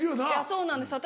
そうなんです私